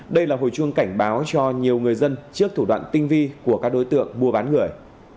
đây là hồi chuông cảnh báo cho nhiều người dân trước thủ đoạn tinh vi của các đối tượng mua bán người